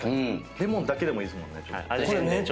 レモンだけでもいいですもんね。